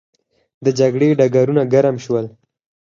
د جګړې ډګرونه ګرم شول.